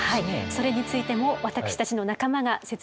それについても私たちの仲間が説明してくれます。